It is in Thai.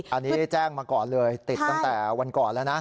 อันนี้แจ้งมาก่อนเลยติดตั้งแต่วันก่อนแล้วนะ